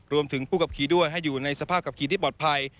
รวมถึงผู้ขับขี่ด้วยให้อยู่ในสภาพขับขี่ที่ปลอดภัย